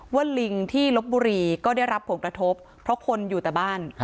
ลิงที่ลบบุรีก็ได้รับผลกระทบเพราะคนอยู่แต่บ้าน